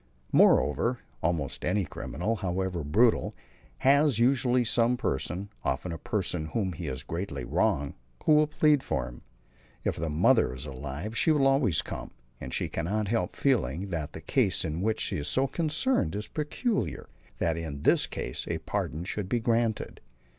Moreover, almost any criminal, however brutal, has usually some person, often a person whom he has greatly wronged, who will plead for him. If the mother is alive she will always come, and she cannot help feeling that the case in which she is so concerned is peculiar, that in this case a pardon should be granted.